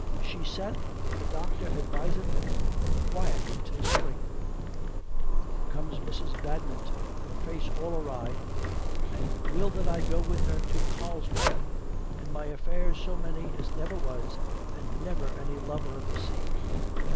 She saith the doctor adviseth quiet until spring. Comes Mrs. Badminton her face all awry and will that I go with her to Carlsbad and my affairs so many as never was and never any lover of the sea.